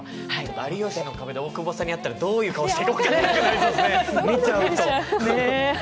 「有吉の壁」で大久保さんに会ったらどんな顔していいか分からないですね。